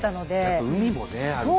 やっぱ海もねあるから。